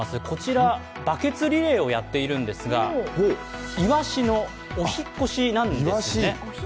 こちら、バケツリレーをやっているんですが、いわしのお引っ越しなんですね。